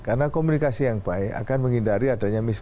karena komunikasi yang baik akan menghindari ada yang menghidupkan